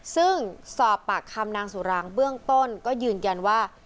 ซึ่งสอบปากคำนางสุรางเบื้องต้นก็ยืนยันว่า